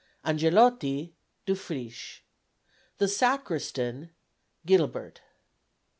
Angelotti DUFRICHE. The Sacristan GILIBERT.